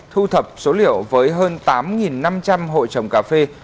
thu thập số liệu với hơn tám năm trăm linh hộ trồng cà phê